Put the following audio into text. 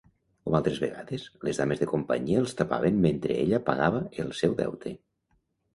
Com altres vegades, les dames de companyia els tapaven mentre ella pagava el seu deute.